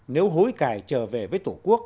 nếu hối cài trở về với tổ quốc